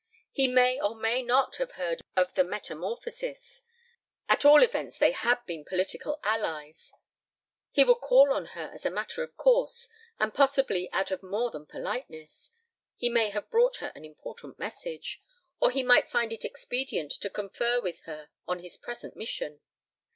He may or may not have heard of the metamorphosis. At all events they had been political allies. He would call on her as a matter of course. And possibly out of more than politeness: he may have brought her an important message. Or he might find it expedient to confer with her on his present mission.